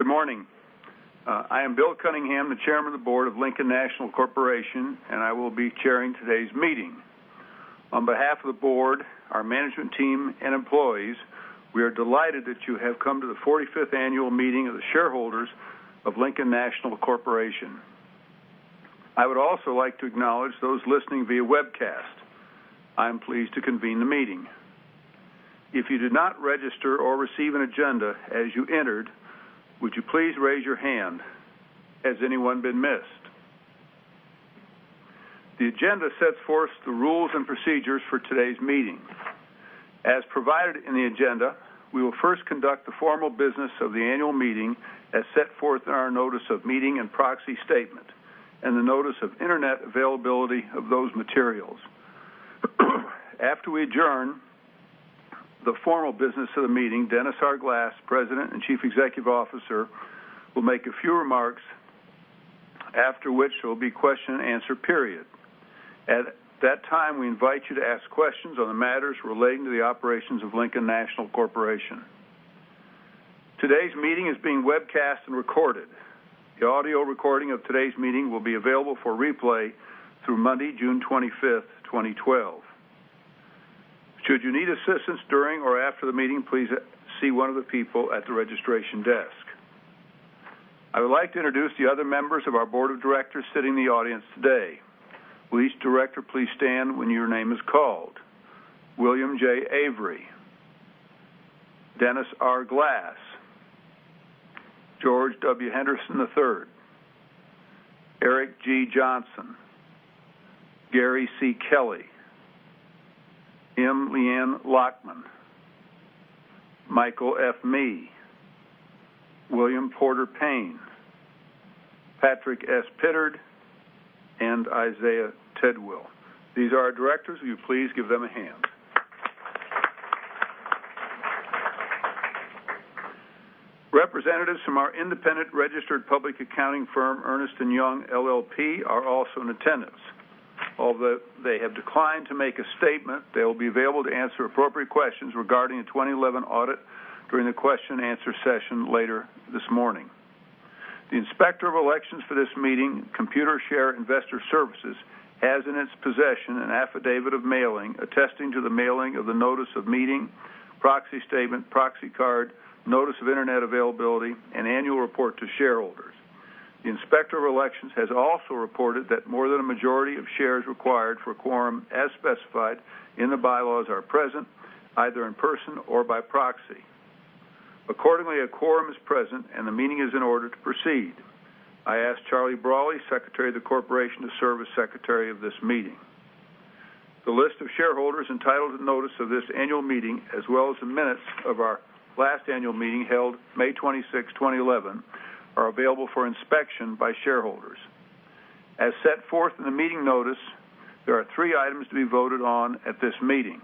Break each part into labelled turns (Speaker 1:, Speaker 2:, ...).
Speaker 1: Good morning. I am Bill Cunningham, the Chairman of the Board of Lincoln National Corporation, and I will be chairing today's meeting. On behalf of the board, our management team, and employees, we are delighted that you have come to the 45th annual meeting of the shareholders of Lincoln National Corporation. I would also like to acknowledge those listening via webcast. I'm pleased to convene the meeting. If you did not register or receive an agenda as you entered, would you please raise your hand? Has anyone been missed? The agenda sets forth the rules and procedures for today's meeting. As provided in the agenda, we will first conduct the formal business of the annual meeting as set forth in our notice of meeting and proxy statement, and the notice of internet availability of those materials. After we adjourn the formal business of the meeting, Dennis R. Glass, President and Chief Executive Officer, will make a few remarks, after which there will be a question and answer period. At that time, we invite you to ask questions on the matters relating to the operations of Lincoln National Corporation. Today's meeting is being webcast and recorded. The audio recording of today's meeting will be available for replay through Monday, June 25th, 2012. Should you need assistance during or after the meeting, please see one of the people at the registration desk. I would like to introduce the other members of our board of directors sitting in the audience today. Will each director please stand when your name is called? William J. Avery. Dennis R. Glass. George W. Henderson III. Eric G. Johnson. Gary C. Kelly. M. Leanne Lachman. Michael F. Mee. William Porter Payne. Patrick S. Pittard, and Isaiah Tidwell. These are our directors. Will you please give them a hand? Representatives from our independent registered public accounting firm, Ernst & Young LLP, are also in attendance. Although they have declined to make a statement, they will be available to answer appropriate questions regarding the 2011 audit during the question and answer session later this morning. The Inspector of Elections for this meeting, Computershare Investor Services, has in its possession an affidavit of mailing, attesting to the mailing of the notice of meeting, proxy statement, proxy card, notice of internet availability, and annual report to shareholders. The Inspector of Elections has also reported that more than a majority of shares required for quorum, as specified in the bylaws, are present, either in person or by proxy. Accordingly, a quorum is present, and the meeting is in order to proceed. I ask Charlie Brawley, Secretary of the Corporation, to serve as Secretary of this meeting. The list of shareholders entitled to notice of this annual meeting, as well as the minutes of our last annual meeting held May 26th, 2011, are available for inspection by shareholders. As set forth in the meeting notice, there are three items to be voted on at this meeting.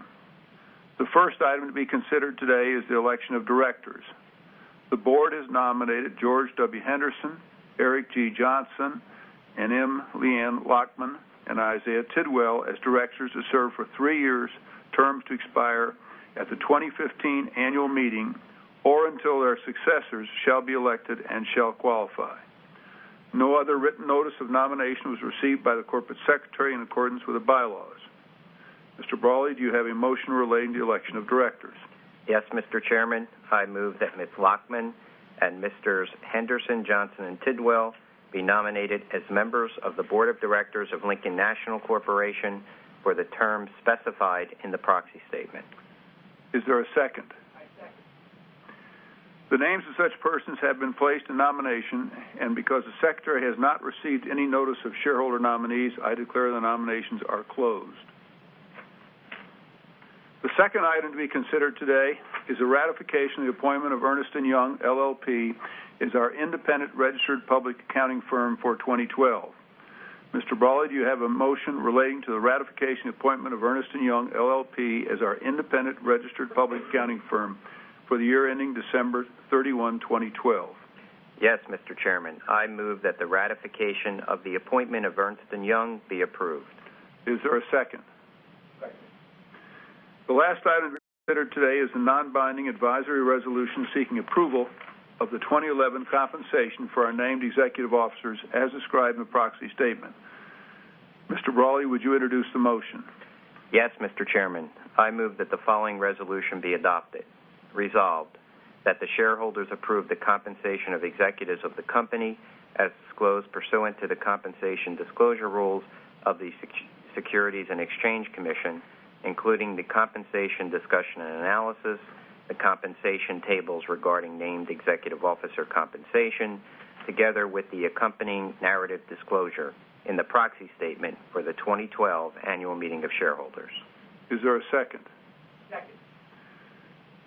Speaker 1: The first item to be considered today is the election of directors. The board has nominated George W. Henderson, Eric G. Johnson, and M. Leanne Lachman, and Isaiah Tidwell as directors to serve for three years, terms to expire at the 2015 annual meeting, or until their successors shall be elected and shall qualify. No other written notice of nomination was received by the corporate secretary in accordance with the bylaws. Mr. Brawley, do you have a motion relating to the election of directors?
Speaker 2: Yes, Mr. Chairman. I move that Ms. Lachman and Messrs. Henderson, Johnson, and Tidwell be nominated as members of the Board of Directors of Lincoln National Corporation for the term specified in the proxy statement.
Speaker 1: Is there a second?
Speaker 3: I second.
Speaker 1: The names of such persons have been placed in nomination, because the Secretary has not received any notice of shareholder nominees, I declare the nominations are closed. The second item to be considered today is the ratification of the appointment of Ernst & Young LLP as our independent registered public accounting firm for 2012. Mr. Brawley, do you have a motion relating to the ratification appointment of Ernst & Young LLP as our independent registered public accounting firm for the year ending December 31, 2012?
Speaker 2: Yes, Mr. Chairman. I move that the ratification of the appointment of Ernst & Young be approved.
Speaker 1: Is there a second?
Speaker 3: Second.
Speaker 1: The last item to be considered today is the non-binding advisory resolution seeking approval of the 2011 compensation for our named executive officers as described in the proxy statement. Mr. Brawley, would you introduce the motion?
Speaker 2: Yes, Mr. Chairman. I move that the following resolution be adopted. Resolved, that the shareholders approve the compensation of executives of the company as disclosed pursuant to the compensation disclosure rules of the Securities and Exchange Commission, including the compensation discussion and analysis, the compensation tables regarding named executive officer compensation, together with the accompanying narrative disclosure in the proxy statement for the 2012 annual meeting of shareholders.
Speaker 1: Is there a second?
Speaker 3: Second.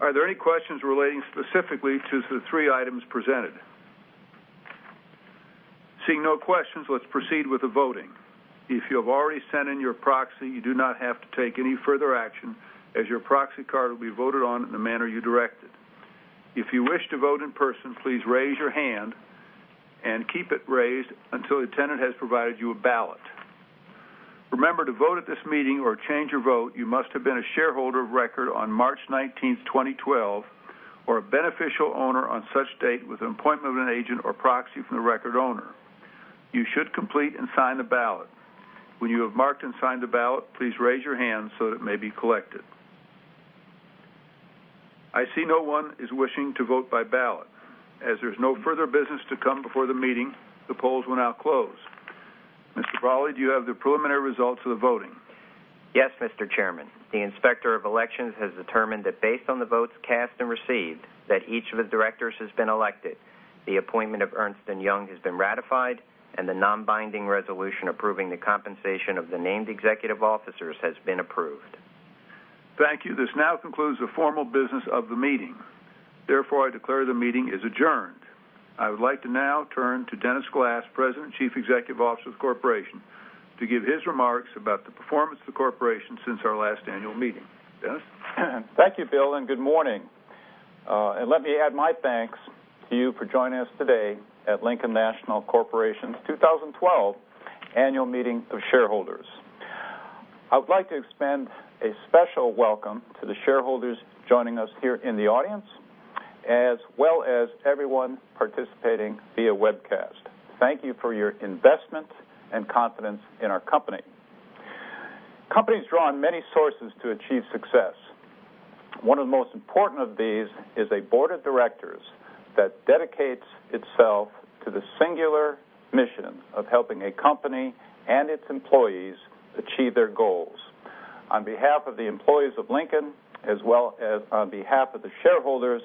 Speaker 1: Are there any questions relating specifically to the three items presented? Seeing no questions, let's proceed with the voting. If you have already sent in your proxy, you do not have to take any further action as your proxy card will be voted on in the manner you directed. If you wish to vote in person, please raise your hand and keep it raised until an attendant has provided you a ballot. Remember to vote at this meeting or change your vote, you must have been a shareholder of record on March 19th, 2012, or a beneficial owner on such date with an appointment of an agent or proxy from the record owner. You should complete and sign the ballot. When you have marked and signed the ballot, please raise your hand so that it may be collected. I see no one is wishing to vote by ballot. As there's no further business to come before the meeting, the polls will now close. Mr. Brawley, do you have the preliminary results of the voting?
Speaker 2: Yes, Mr. Chairman. The Inspector of Elections has determined that based on the votes cast and received, that each of the directors has been elected, the appointment of Ernst & Young has been ratified, and the non-binding resolution approving the compensation of the named executive officers has been approved.
Speaker 1: Thank you. This now concludes the formal business of the meeting. Therefore, I declare the meeting is adjourned. I would like to now turn to Dennis Glass, President and Chief Executive Officer of the Corporation, to give his remarks about the performance of the Corporation since our last annual meeting. Dennis?
Speaker 3: Thank you, Bill, and good morning. Let me add my thanks to you for joining us today at Lincoln National Corporation's 2012 Annual Meeting of Shareholders. I would like to extend a special welcome to the shareholders joining us here in the audience, as well as everyone participating via webcast. Thank you for your investment and confidence in our company. Companies draw on many sources to achieve success. One of the most important of these is a board of directors that dedicates itself to the singular mission of helping a company and its employees achieve their goals. On behalf of the employees of Lincoln, as well as on behalf of the shareholders,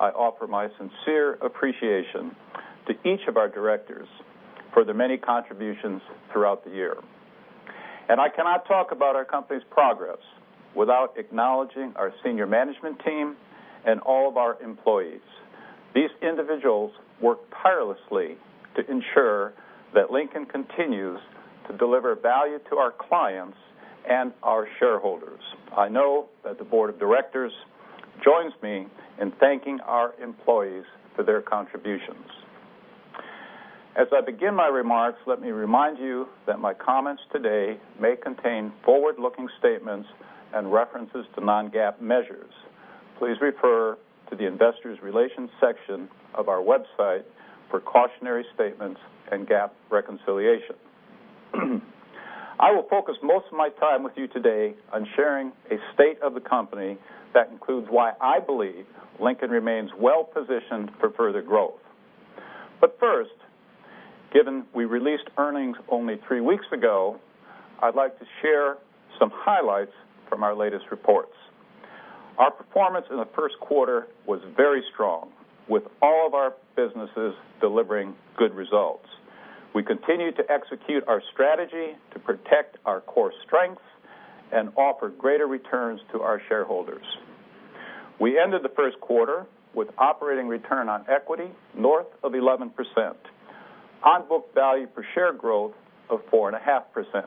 Speaker 3: I offer my sincere appreciation to each of our directors for their many contributions throughout the year. I cannot talk about our company's progress without acknowledging our senior management team and all of our employees. These individuals work tirelessly to ensure that Lincoln continues to deliver value to our clients and our shareholders. I know that the board of directors joins me in thanking our employees for their contributions. As I begin my remarks, let me remind you that my comments today may contain forward-looking statements and references to non-GAAP measures. Please refer to the investor relations section of our website for cautionary statements and GAAP reconciliation. I will focus most of my time with you today on sharing a state of the company that includes why I believe Lincoln remains well-positioned for further growth. First, given we released earnings only three weeks ago, I'd like to share some highlights from our latest reports. Our performance in the first quarter was very strong, with all of our businesses delivering good results. We continued to execute our strategy to protect our core strengths and offer greater returns to our shareholders. We ended the first quarter with operating return on equity north of 11%, on book value per share growth of 4.5%.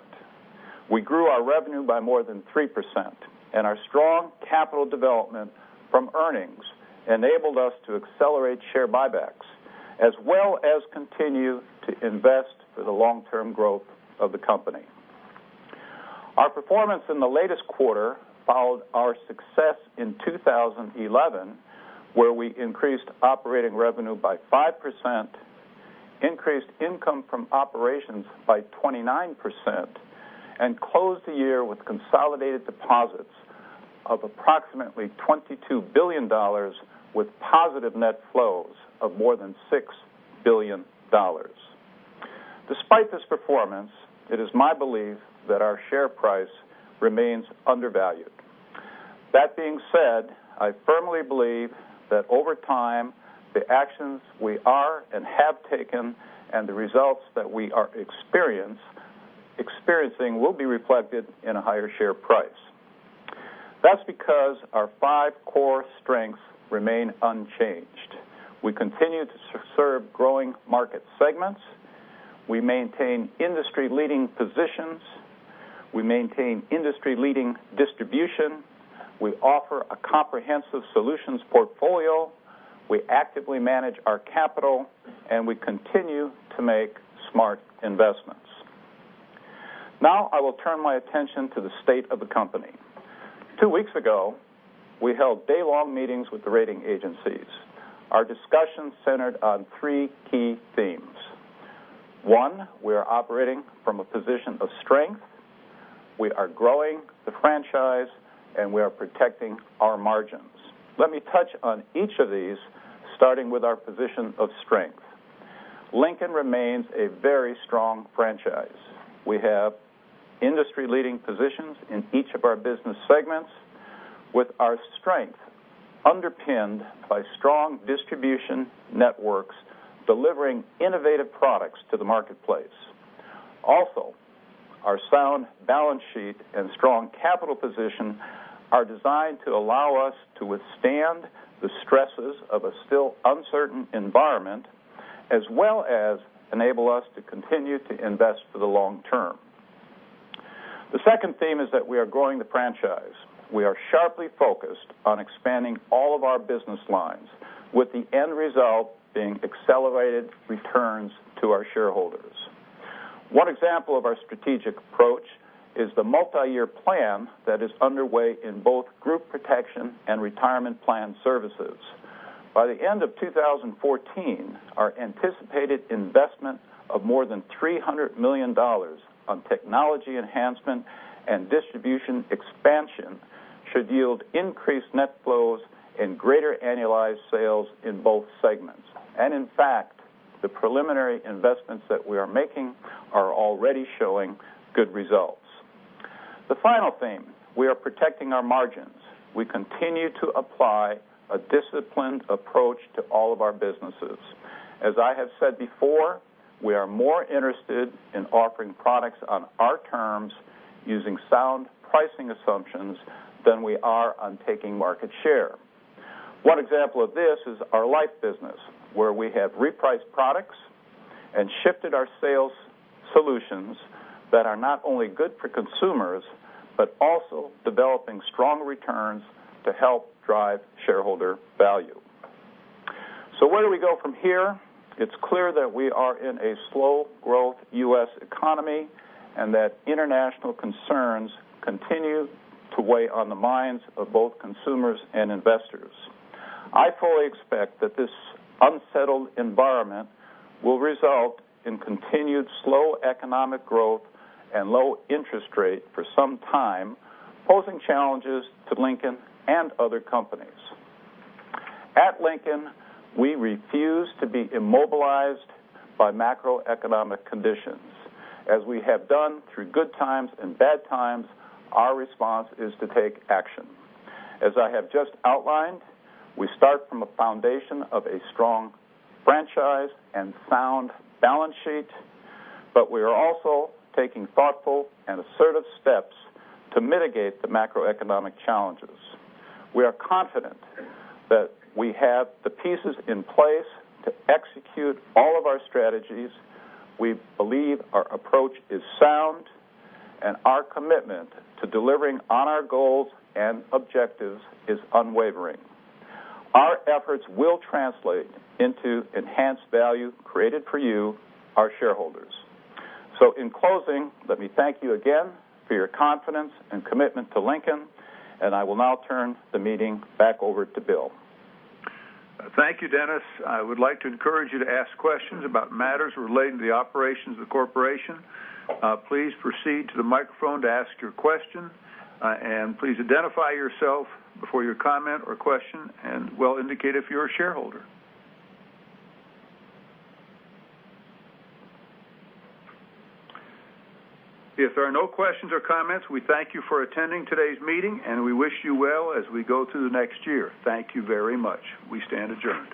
Speaker 3: We grew our revenue by more than 3%. Our strong capital development from earnings enabled us to accelerate share buybacks, as well as continue to invest for the long-term growth of the company. Our performance in the latest quarter followed our success in 2011, where we increased operating revenue by 5%, increased income from operations by 29%, and closed the year with consolidated deposits of approximately $22 billion with positive net flows of more than $6 billion. Despite this performance, it is my belief that our share price remains undervalued. That being said, I firmly believe that over time, the actions we are and have taken and the results that we are experiencing will be reflected in a higher share price. That's because our five core strengths remain unchanged. We continue to serve growing market segments. We maintain industry-leading positions. We maintain industry-leading distribution. We offer a comprehensive solutions portfolio. We actively manage our capital, and we continue to make smart investments. I will turn my attention to the state of the company. Two weeks ago, we held day-long meetings with the rating agencies. Our discussions centered on three key themes. One, we are operating from a position of strength. We are growing the franchise, and we are protecting our margins. Let me touch on each of these, starting with our position of strength. Lincoln remains a very strong franchise. We have industry-leading positions in each of our business segments with our strength underpinned by strong distribution networks delivering innovative products to the marketplace. Our sound balance sheet and strong capital position are designed to allow us to withstand the stresses of a still uncertain environment as well as enable us to continue to invest for the long term. The second theme is that we are growing the franchise. We are sharply focused on expanding all of our business lines, with the end result being accelerated returns to our shareholders. One example of our strategic approach is the multi-year plan that is underway in both Group Protection and Retirement Plan Services. By the end of 2014, our anticipated investment of more than $300 million on technology enhancement and distribution expansion should yield increased net flows and greater annualized sales in both segments. In fact, the preliminary investments that we are making are already showing good results. The final theme, we are protecting our margins. We continue to apply a disciplined approach to all of our businesses. As I have said before, we are more interested in offering products on our terms using sound pricing assumptions than we are on taking market share. One example of this is our life business, where we have repriced products and shifted our sales solutions that are not only good for consumers, but also developing strong returns to help drive shareholder value. Where do we go from here? It's clear that we are in a slow-growth U.S. economy, and that international concerns continue to weigh on the minds of both consumers and investors. I fully expect that this unsettled environment will result in continued slow economic growth and low interest rate for some time, posing challenges to Lincoln and other companies. At Lincoln, we refuse to be immobilized by macroeconomic conditions. As we have done through good times and bad times, our response is to take action. As I have just outlined, we start from a foundation of a strong franchise and sound balance sheet, we are also taking thoughtful and assertive steps to mitigate the macroeconomic challenges. We are confident that we have the pieces in place to execute all of our strategies. We believe our approach is sound, and our commitment to delivering on our goals and objectives is unwavering. Our efforts will translate into enhanced value created for you, our shareholders. In closing, let me thank you again for your confidence and commitment to Lincoln, and I will now turn the meeting back over to Bill.
Speaker 1: Thank you, Dennis. I would like to encourage you to ask questions about matters relating to the operations of the corporation. Please proceed to the microphone to ask your question, and please identify yourself before your comment or question, and well indicate if you're a shareholder. If there are no questions or comments, we thank you for attending today's meeting, and we wish you well as we go through the next year. Thank you very much. We stand adjourned.